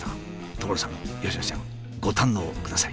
所さん佳乃ちゃんご堪能ください。